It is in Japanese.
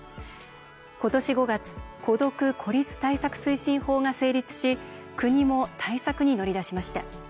今年５月「孤独・孤立対策推進法」が成立し国も対策に乗り出しました。